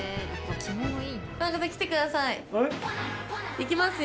いきますよ。